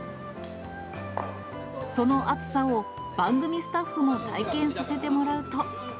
その熱さを番組スタッフも体験させてもらうと。